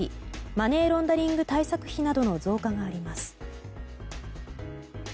マネーロンダリング対策費などの増加があります。